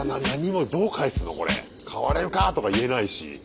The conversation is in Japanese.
「代われるか！」とか言えないし。